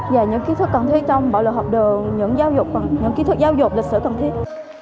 và những kiến thức cần thiết trong bộ luật học đường những kiến thức giáo dục lịch sử cần thiết